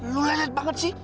lu lelet banget sih